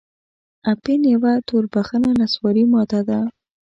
اپین یوه توربخنه نسواري ماده ده.